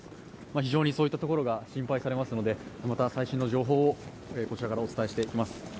非常にそういったところが心配されるので、また最新の情報をこちらからお伝えしていきます。